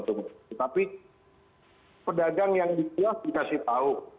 bagaimana pedagang yang dikeluarkan dikasih tau